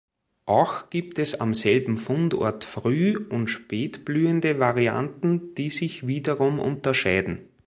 Auch gibt es am selben Fundort früh- und spätblühende Varianten, die sich wiederum unterscheiden.